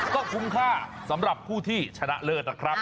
ก็คุ้มค่าสำหรับผู้ที่ชนะเลิศนะครับ